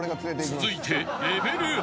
［続いて］